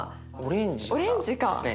オレンジかな。